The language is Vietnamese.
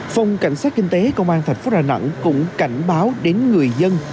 phòng cảnh sát kinh tế công an thành phố đà nẵng cũng cảnh báo đến người dân